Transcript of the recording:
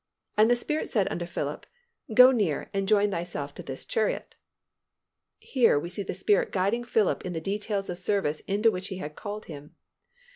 And the Spirit said unto Philip, Go near, and join thyself to this chariot." Here we see the Spirit guiding Philip in the details of service into which He had called him.